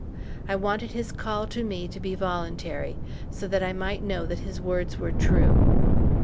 I wanted his call to me to be voluntary, so that I might know that his words were true.